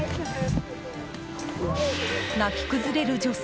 泣き崩れる女性。